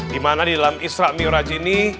dimana di dalam isra' miraj ini